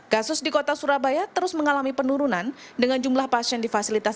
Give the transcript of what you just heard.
kasus di kota surabaya terus mengalami penurunan dengan jumlah pasien di fasilitas